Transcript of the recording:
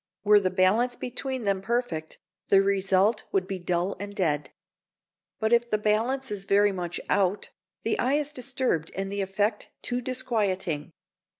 Were the balance between them perfect, the result would be dull and dead. But if the balance is very much out, the eye is disturbed and the effect too disquieting.